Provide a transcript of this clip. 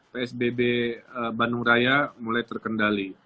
psbb bandung raya mulai terkendali